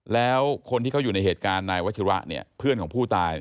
แล้วคนที่เขาอยู่ในเหตุการณ์นายวัชิระเพื่อนของผู้ตาย